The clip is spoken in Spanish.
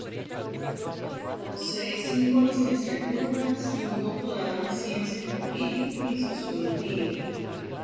Posee cinco licenciaturas y un doctorado en Ciencias Políticas y Sociología.